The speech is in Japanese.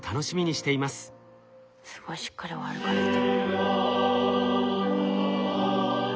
すごいしっかり歩かれて。